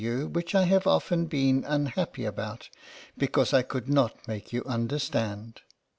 you which I have often been un happy about because I could not make you understand.